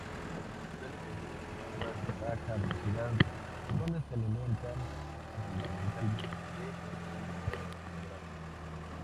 Suelen vivir en aguas de baja velocidad, donde se alimentan fundamentalmente de invertebrados.